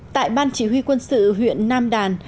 tại ban chỉ huy quân sự huyện nam đàn